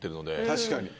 確かに。